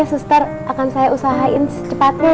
iya suster akan saya usahain secepatnya ya